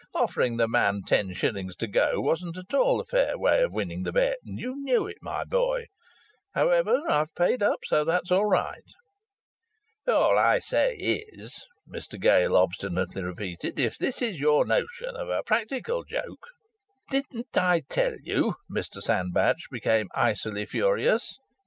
Offering the man ten shillings to go wasn't at all a fair way of winning the bet, and you knew it, my boy. However, I've paid up; so that's all right." "All I say is," Mr Gale obstinately repeated, "if this is your notion of a practical joke " "Didn't I tell you " Mr Sandbach became icily furious.